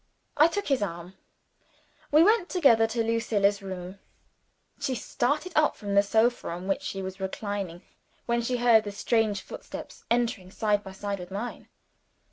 I took his arm. We went together into Lucilla's room. She started up from the sofa on which she was reclining when she heard the strange footsteps entering, side by side with mine.